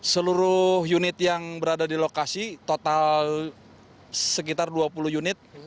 seluruh unit yang berada di lokasi total sekitar dua puluh unit